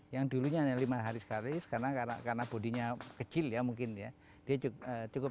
yang dulunya hanya lima hari sekali karena bodinya kecil ya mungkin ya dia cukup